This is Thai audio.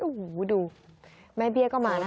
โอ้โหดูแม่เบี้ยก็มานะคะ